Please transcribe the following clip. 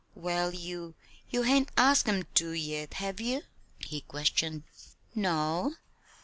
"Well, you you hain't asked 'em to, yet; have ye?" he questioned. "No.